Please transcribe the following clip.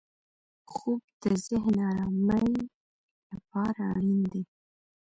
خوب د ذهن ارامۍ لپاره اړین دی